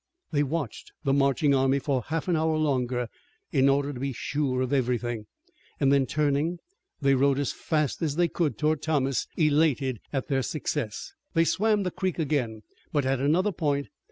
They watched the marching army for a half hour longer in order to be sure of everything, and then turning they rode as fast as they could toward Thomas, elated at their success. They swam the creek again, but at another point.